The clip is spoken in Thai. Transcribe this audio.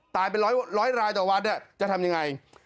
ร้อยรายต่อวัดจะทำยังไง